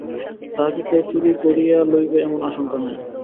তাহাকে কেহ চুরি করিয়া লইবে, এমন আশঙ্কা নাই।